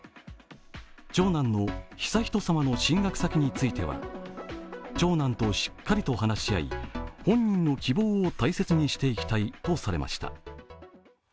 長男の悠仁さまの進学先については、長男としっかりと話し合い本人の希望を大切にしていきたいとされました。